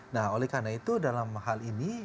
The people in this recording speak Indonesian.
nah oleh karena itu dalam hal ini